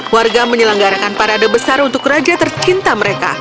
warga menyelenggarakan parade besar untuk raja tercinta mereka